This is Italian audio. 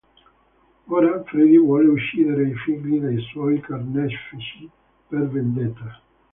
Ora Freddy vuole uccidere i figli dei suoi carnefici per vendetta.